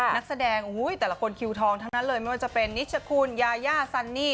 นักแสดงแต่ละคนคิวทองทั้งนั้นเลยไม่ว่าจะเป็นนิชคุณยายาซันนี่